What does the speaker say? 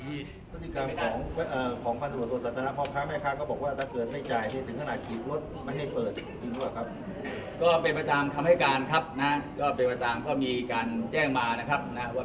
ศิษย์กรรมของพันธุรกรสัตว์นักภาพค้าแม่ค้าก็บอกว่า